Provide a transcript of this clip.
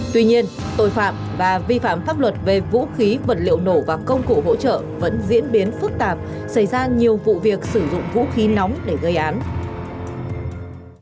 tuy nhiên tội phạm và vi phạm pháp luật về vũ khí vật liệu nổ và công cụ hỗ trợ vẫn diễn biến phức tạp xảy ra nhiều vụ việc sử dụng vũ khí nóng để gây án